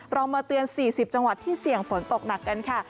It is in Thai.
เรามาเตือน๔๐จังหวัดที่เสี่ยงฝนตกหนักกันค่ะ